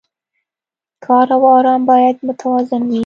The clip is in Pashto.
کار او ارام باید متوازن وي.